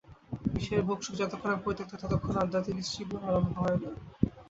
বিষয়ের ভোগসুখ যতক্ষণ না পরিত্যক্ত হয়, ততক্ষণ আধ্যাত্মিক জীবন আরম্ভ হয় না।